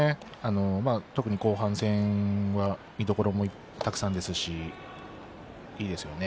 特に後半戦は見どころたくさんですしいいですよね。